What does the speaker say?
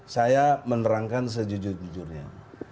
saya menerangkan sejujurnya